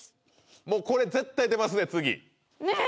もうこれ絶対出ますね次ねぇ！